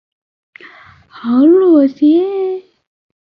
豪洛吉。